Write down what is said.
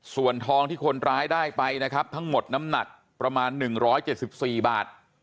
ส่วนทองที่คนร้ายได้ไปนะครับทั้งหมดน้ำหนักประมาณ๑๗๔บาท